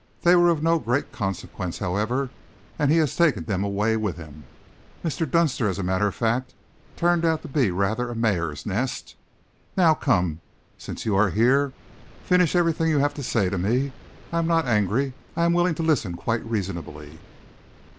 They were of no great consequence, however, and he has taken them away with him. Mr. Dunster, as a matter of fact, turned out to be rather a mare's nest. Now, come, since you are here, finish everything you have to say to me. I am not angry. I am willing to listen quite reasonably."